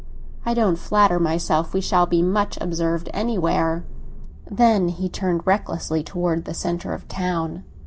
"I don't flatter myself we shall be much observed anywhere." Then he turned recklessly toward the centre of the town.